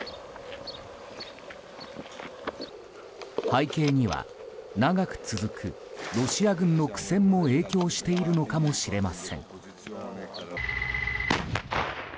背景には長く続くロシア軍の苦戦も影響しているのかもしれません。